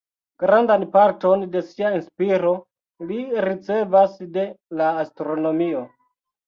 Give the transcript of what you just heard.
Grandan parton de sia inspiro li ricevas de la astronomio.